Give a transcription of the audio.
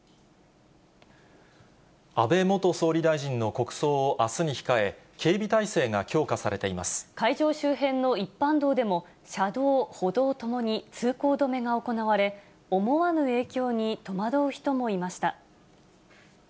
安倍元総理大臣の国葬をあすに控え、会場周辺の一般道でも、車道、歩道ともに通行止めが行われ、思わぬ影響に戸惑う人もいました。